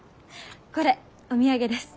これお土産です。